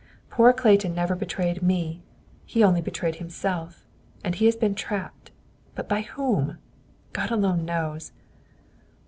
Poor Clayton never betrayed me; he only betrayed himself. And he has been trapped; BUT BY WHOM? God alone knows!"